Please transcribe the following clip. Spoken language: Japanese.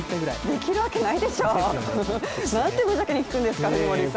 できるわけないでしょ。なんて無邪気に聞くんですか、藤森さん。